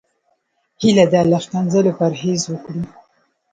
هيله ده له ښکنځلو پرهېز وکړو.